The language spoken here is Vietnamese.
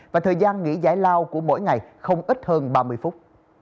và thời gian nghỉ giải lao của mỗi ngày không ít hơn ba mươi phút